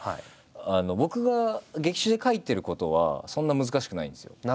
僕が劇中で書いてることはそんな難しくないんですよ。